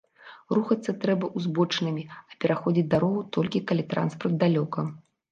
Рухацца трэба ўзбочынамі, а пераходзіць дарогу толькі калі транспарт далёка.